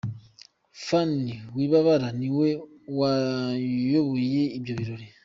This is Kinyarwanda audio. Phanny Wibabara niwe wayoboye ibyo birori.